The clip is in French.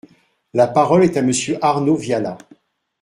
La parole est à Monsieur Arnaud Viala.